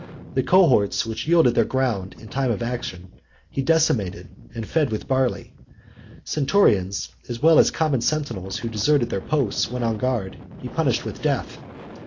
The cohorts which yielded their ground in time of action, he decimated, and fed with barley. Centurions, as well as common sentinels, who deserted their posts when on guard, he punished with death.